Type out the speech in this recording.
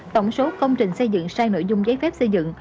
tổng số công trình xây dựng sai nội dung giấy phép xây dựng